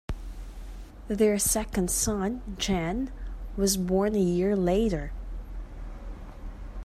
Their second son, Gen, was born a year later.